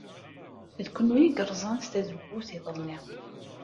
D kenwi ay yerẓan tazewwut iḍelli.